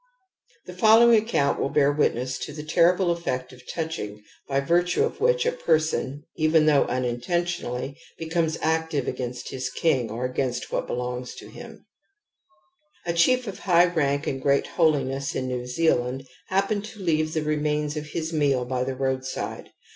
The following account will bear witness to the ie^i^le..effectxfi£4oug!lii^ virtue of which a person, e^veijjtliough^jguijt^^^ active against his king or against what belongs to him.> A chief of high raiJc and great holiness in New Zealand happened to leave the remains of his meal by the roadside.